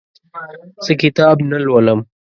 زه کتاب نه لولم.